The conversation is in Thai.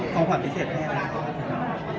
ขอบความพิเคร์ดให้ไหน